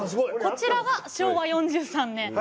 こちらが昭和４３年